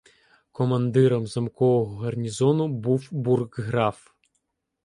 Командиром замкового гарнізону був бургграф.